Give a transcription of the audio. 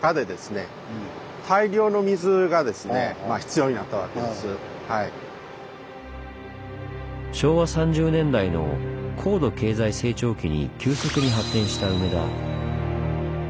そしてこの昭和３０年代の高度経済成長期に急速に発展した梅田。